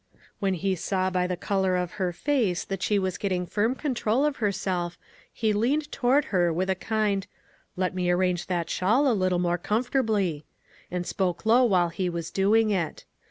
When he saw by the color in her face that she was getting firm control of her self, he leaned toward her with a kind —" Let me arrange that shawl a little more comfortably," and spoke low while he was doing it.